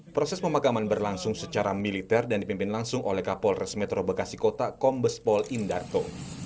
proses pemakaman berlangsung secara militer dan dipimpin langsung oleh kapolres metro bekasi kota kombespol indarto